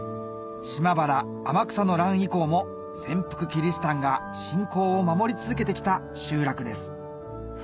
島原・天草の乱以降も潜伏キリシタンが信仰を守り続けてきた集落です